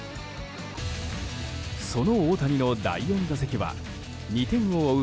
その大谷の第４打席は２点を追う